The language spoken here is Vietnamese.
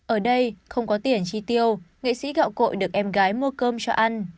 ở đây không có tiền chi tiêu nghệ sĩ gạo cội được em gái mua cơm cho ăn